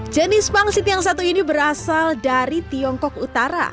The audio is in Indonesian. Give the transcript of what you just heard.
jenis pangsit yang satu ini berasal dari tiongkok utara